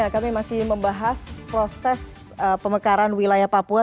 kami masih membahas proses pemekaran wilayah papua